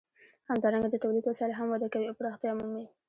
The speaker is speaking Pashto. همدارنګه د تولید وسایل هم وده کوي او پراختیا مومي.